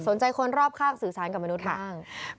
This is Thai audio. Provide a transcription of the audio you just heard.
สนใจคนรอบข้างสื่อสารกับมนุษย์บ้าง